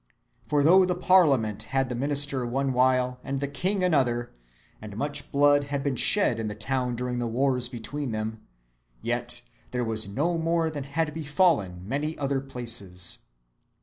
For though the parliament had the minister one while, and the king another, and much blood had been shed in the town during the wars between them, yet there was no more than had befallen many other places.